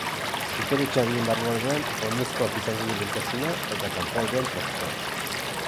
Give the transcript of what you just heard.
Superetxadien barrualdean oinezkoak izango du lehentasuna, eta kanpoaldean trafikoak.